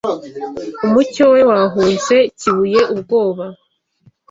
Umucyo we wahunze, Kibuye, ubwoba